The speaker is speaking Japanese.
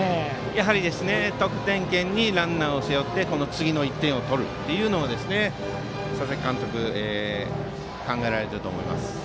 やはり得点圏にランナーを背負って次の１点を取るというのを佐々木監督は考えられていると思います。